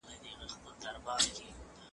آيا زهيرونه د ځان وژني لامل کيدای سي؟